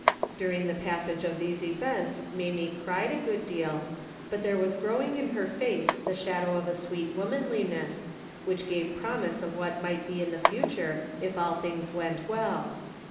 During the passage of these events Mamie cried a good deal, but there was growing in her face the shadow of a sweet Avomanliness which gave promise of Avhat might be in the future if all things went well.